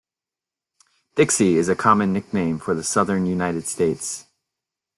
"Dixie" is a common nickname for the southern United States.